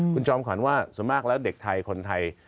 คุณจอมขวัญว่าส่วนมากแล้วเด็กไทยคนไทย